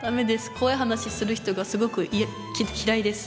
怖い話する人がすごく嫌いです。